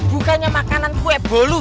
bukannya makanan kue bolu